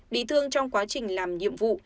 bị thương trong quá trình làm nhiệm vụ